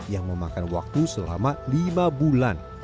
yang memakan waktu selama lima bulan